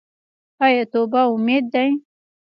آیا توبه امید دی؟